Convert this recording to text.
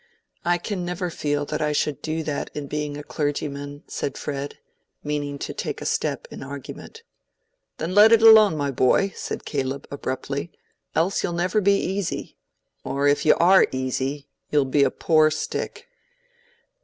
"I can never feel that I should do that in being a clergyman," said Fred, meaning to take a step in argument. "Then let it alone, my boy," said Caleb, abruptly, "else you'll never be easy. Or, if you are easy, you'll be a poor stick."